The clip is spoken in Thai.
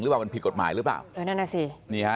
หรือเปล่าเป็นผิดกฎหมายหรือเปล่า